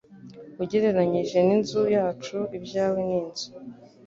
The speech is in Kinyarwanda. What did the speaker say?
Ugereranije n'inzu yacu ibyawe ni inzu